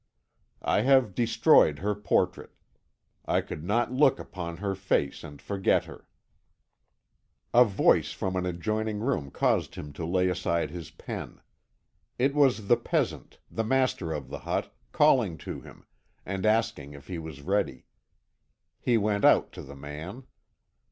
"I have destroyed her portrait. I could not look upon her face and forget her." A voice from an adjoining room caused him to lay aside his pen. It was the peasant, the master of the hut, calling to him, and asking if he was ready. He went out to the man.